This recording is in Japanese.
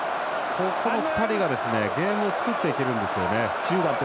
この２人が、ゲームを作っていけるんですよね。